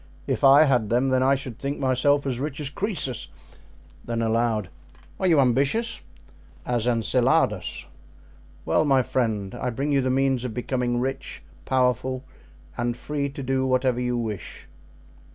If I had them I should think myself as rich as Croesus." Then aloud: "Are you ambitious?" "As Enceladus." "Well, my friend, I bring you the means of becoming rich, powerful, and free to do whatever you wish."